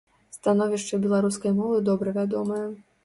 Становішча беларускай мовы добра вядомае.